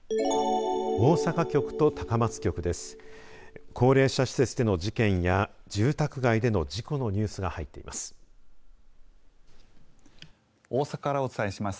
大阪局と高松局です。